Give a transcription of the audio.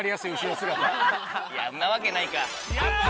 んなわけないか。